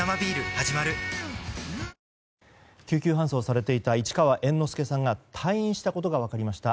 はじまる救急搬送されていた市川猿之助さんが退院したことが分かりました。